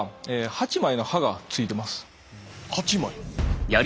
８枚？